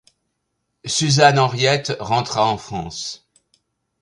Suzanne Henriette rentra en France.